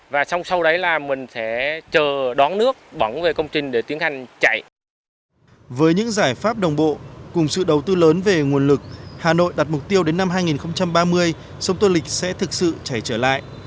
với những giải pháp đồng bộ cùng sự đầu tư lớn về nguồn lực hà nội đặt mục tiêu đến năm hai nghìn ba mươi sông tô lịch sẽ thực sự chảy trở lại